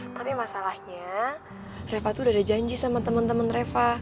tapi masalahnya reva tuh udah ada janji sama teman teman reva